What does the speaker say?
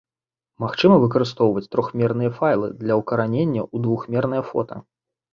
Магчыма выкарыстоўваць трохмерныя файлы для ўкаранення ў двухмернае фота.